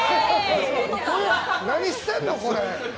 何してんの、これ？